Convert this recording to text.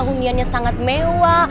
huniannya sangat mewah